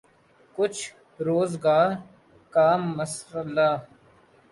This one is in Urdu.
کچھ روزگار کا مسئلہ۔